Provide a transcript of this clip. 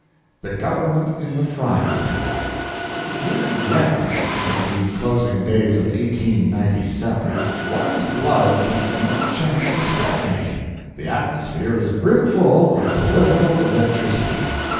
THE GOVERNMENT IN THE FRYING PAN. Here in Vienna in these closing days of 1897 one's blood gets no chance to stagnate. The atmosphere is brimful of political electricity.